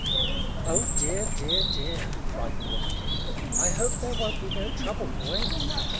"Oh, dear, dear, dear!" cried the woman; "I hope there won't be no trouble, boy."